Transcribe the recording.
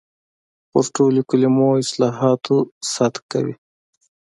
پر ټولو کلمو او اصطلاحاتو صدق کوي.